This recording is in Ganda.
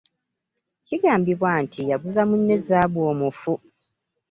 Kigambibwa nti yaguza munne zzaabu omufu.